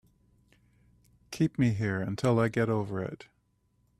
Keep me here until I get over it.